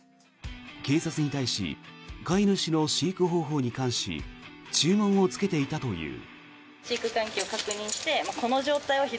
警察に対し飼い主の飼育方法に関し注文をつけていたという。